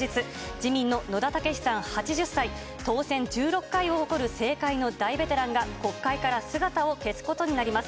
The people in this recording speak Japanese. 自民の野田毅さん８０歳、当選１６回を誇る政界の大ベテランが、国会から姿を消すことになります。